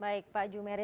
baik pak jumeri